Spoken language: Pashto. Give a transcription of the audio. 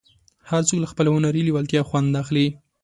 هر څوک له خپلې هنري لېوالتیا خوند اخلي.